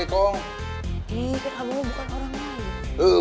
ini kan kamu bukan orang lain